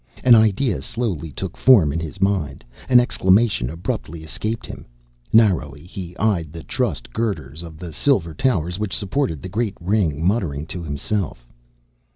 An idea slowly took form in his mind; an exclamation abruptly escaped him. Narrowly he eyed the trussed girders of the silver towers which supported the great ring, muttering to himself.